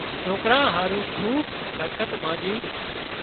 سوڪران هارو کوبٻ برڪت مانڄي